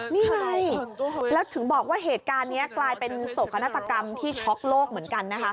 นี่ไงแล้วถึงบอกว่าเหตุการณ์นี้กลายเป็นโศกนาฏกรรมที่ช็อกโลกเหมือนกันนะคะ